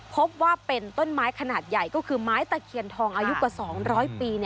พบว่าเป็นต้นไม้ขนาดใหญ่ก็คือไม้ตะเคียนทองอายุกว่า๒๐๐ปี